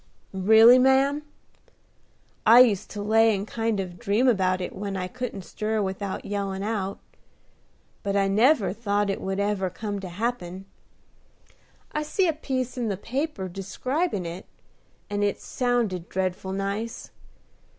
"Really, ma'am? I used to lay and kind of dream about it when I couldn't stir without yellin' out; but I never thought it would ever come to happen. I see a piece in the paper describing it, and it sounded dreadful nice.